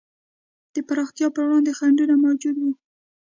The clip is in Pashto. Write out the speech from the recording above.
د پراختیا پر وړاندې خنډونه موجود وو.